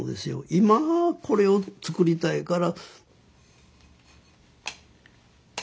今これを作りたいから。